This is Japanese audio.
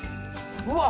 うわ！